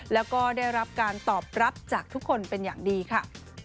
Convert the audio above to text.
แล้วก็ได้รับการตอบรับจากทุกคนเป็นอย่างดีค่ะ